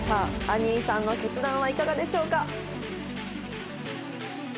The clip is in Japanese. にーさんの決断はいかがでしょうか？